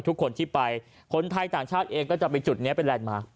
ทุกคนที่ไปคนไทยต่างชาติเองก็จะไปจุดนี้เป็นแลนดมาร์ค